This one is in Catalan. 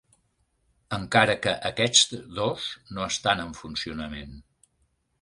Encara que aquests dos no estan en funcionament.